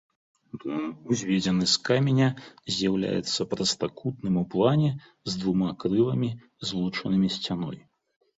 Дом узведзены з каменя, з'яўляецца прастакутным ў плане з двума крыламі, злучанымі сцяной.